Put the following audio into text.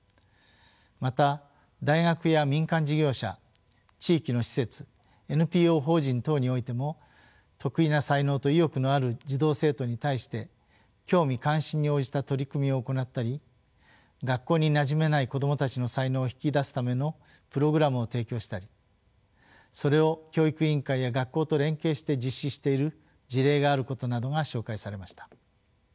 また大学や民間事業者地域の施設ＮＰＯ法人等においても特異な才能と意欲のある児童生徒に対して興味・関心に応じた取り組みを行ったり学校になじめない子どもたちの才能を引き出すためのプログラムを提供したりそれを教育委員会や学校と連携して実施している事例があることなどが紹介されました。